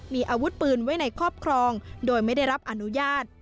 มีอาวุธปืนไว้ในครอบครองโดยไม่ได้รับอนุญาต